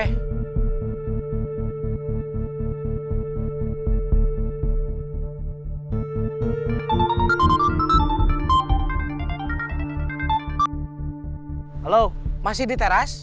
halo masih di teras